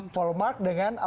pollmark dengan apa namanya